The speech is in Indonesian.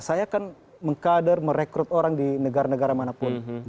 saya kan mengkader merekrut orang di negara negara manapun